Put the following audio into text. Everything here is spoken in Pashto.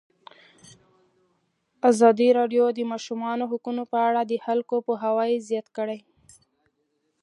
ازادي راډیو د د ماشومانو حقونه په اړه د خلکو پوهاوی زیات کړی.